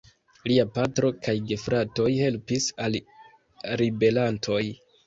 Lia patro kaj gefratoj helpis al ribelantoj.